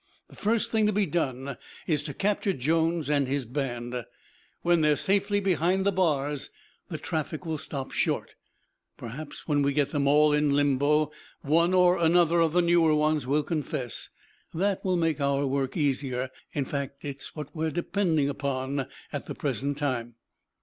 The first thing to be done is to capture Jones and his band. When they are safely behind the bars the traffic will stop short. Perhaps when we get them all in limbo one or another of the newer ones will confess. That will make our work easier. In fact it is what we are depending upon at the present time."